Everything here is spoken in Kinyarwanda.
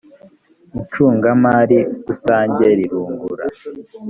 incungamari rusange rirungura.